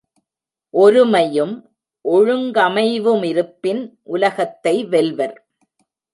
ஒருமையும் ஒழுங்கமைவுமிருப்பின் உலகத்தை வெல்வர்.